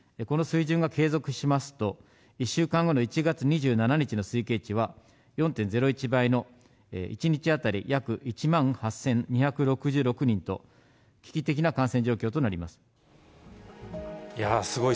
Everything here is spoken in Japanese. この水準が継続しますと、１週間後の１月２７日の推計値は４．０１倍の１日当たり約１万８２６６人と、危機的な感染状況となります。